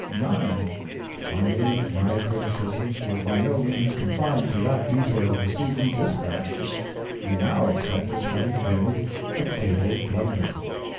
(9.) Finally, my criticisms were by no means confined to that detail of the C. E. dispatch which we now accept as having been a "cable blunder."